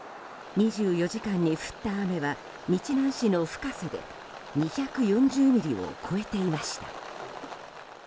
２４時間に降った雨は日南市の深さで２４０ミリを超えていました。